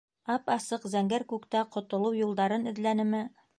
Ап-асыҡ зәңгәр күктә ҡотолоу юлдарын эҙләнеме?